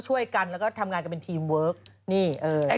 จากกระแสของละครกรุเปสันนิวาสนะฮะ